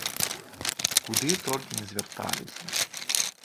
Куды толькі ні звярталіся!